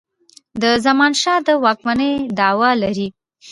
د زمانشاه د واکمنی دعوه لري.